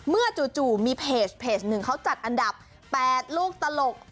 เมื่อจู่มีคำปรับทาเป็นหนึ่งเค้าจัดอันดับ๘ลูกตลก